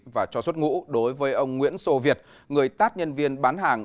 và cho xuất ngũ đối với ông nguyễn sô việt người tát nhân viên bán hàng